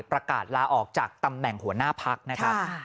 ประกาศลาออกจากตำแหน่งหัวหน้าพักนะครับ